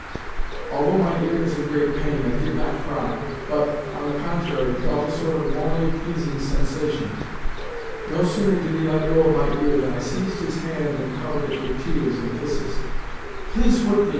Although my ear was in great pain, I did not cry, but, on the contrary, felt a sort of morally pleasing sensation. No sooner did he let go of my ear than I seized his hand and covered it with tears and kisses. "Please whip me!"